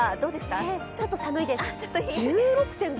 ちょっと寒いです。